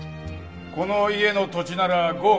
この家の土地なら５億？